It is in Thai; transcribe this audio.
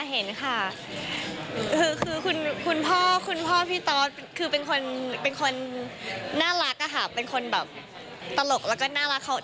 เห็นค่ะคือคุณพ่อคุณพ่อพี่ตอสคือเป็นคนเป็นคนน่ารักอะค่ะเป็นคนแบบตลกแล้วก็น่ารักเขา